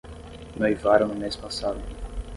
Noivaram no mês passado